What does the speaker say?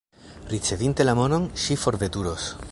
Ricevinte la monon, ŝi forveturos.